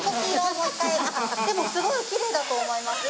でもすごいきれいだと思います。